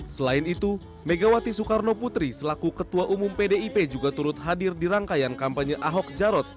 selain itu megawati soekarno putri selaku ketua umum pdip juga turut hadir di rangkaian kampanye ahok jarot